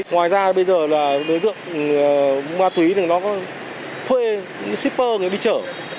ngoài ra bây giờ là đối tượng ma túy thì nó thuê shipper người đó đi chở